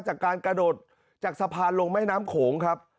จากการกระโดดจากสะพานลงแม่น้ำโขงครับ